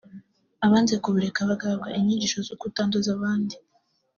abanze kubureka bagahabwa inyigisho zo kutanduza abandi